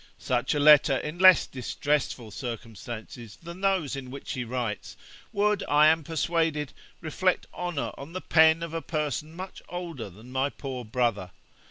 Such a letter in less distressful circumstances than those in which he writes, would, I am persuaded, reflect honour on the pen of a person much older than my poor brother.